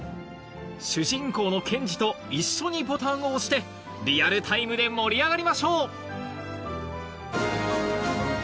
主人公の健二と一緒にボタンを押してリアルタイムで盛り上がりましょう！